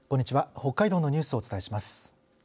北海道のニュースをお伝えします。